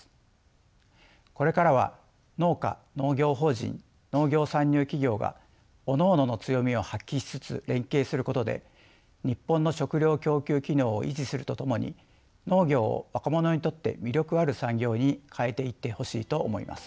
これからは農家農業法人農業参入企業がおのおのの強みを発揮しつつ連携することで日本の食料供給機能を維持するとともに農業を若者にとって魅力ある産業に変えていってほしいと思います。